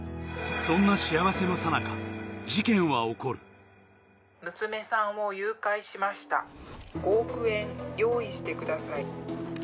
そんな幸せのさなか事件は起こる☎娘さんを誘拐しました☎５億円用意してください